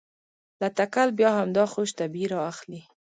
له تکل بیا همدا خوش طبعي رااخلي.